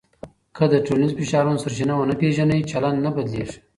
که د ټولنیزو فشارونو سرچینه ونه پېژنې، چلند نه بدلېږي.